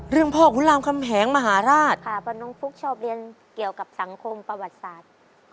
พ่อขุรามคำแหงมหาราชค่ะเพราะน้องฟุ๊กชอบเรียนเกี่ยวกับสังคมประวัติศาสตร์